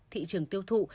thị trường tiêu thụ